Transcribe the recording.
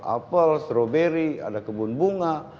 apel stroberi ada kebun bunga